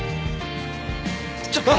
ちょっと！